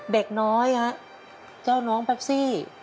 เด็กน้อยฮะเจ้าน้องแปปซี่